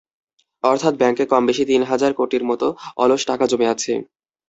অর্থাৎ ব্যাংকে কম–বেশি তিন হাজার কোটির মতো অলস টাকা জমে আছে।